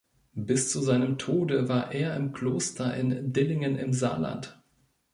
Bis zu seinem Tode war er im Kloster in Dillingen im Saarland.